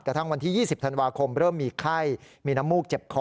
กระทั่งวันที่๒๐ธันวาคมเริ่มมีไข้มีน้ำมูกเจ็บคอ